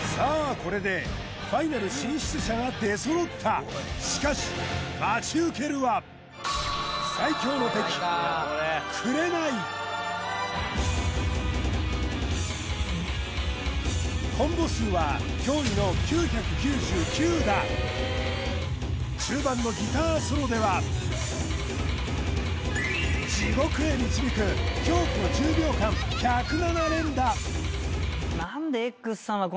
これでファイナル進出者が出揃ったしかし待ち受けるは最強の敵コンボ数は驚異の９９９打中盤のギターソロでは地獄へ導く恐怖の１０秒間１０７連打